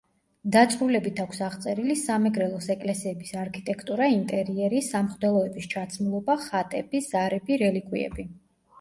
დაწვრილებით აქვს აღწერილი სამეგრელოს ეკლესიების არქიტექტურა, ინტერიერი, სამღვდელოების ჩაცმულობა, ხატები, ზარები, რელიკვიები.